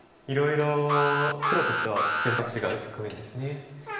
いろいろ黒としては選択肢がある局面ですね。